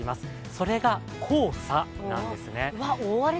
それが黄砂なんですね。